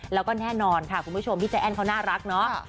แล้วก็แน่นอนค่ะคุณผู้ชมพี่ใจแอ้นเขาน่ารักเนาะ